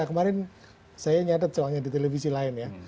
kemarin saya nyatat soalnya di televisi lain ya